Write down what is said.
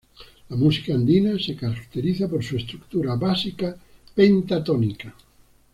La música andina se caracteriza por su estructura básica pentatónica.